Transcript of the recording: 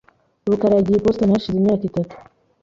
rukara yagiye i Boston hashize imyaka itatu .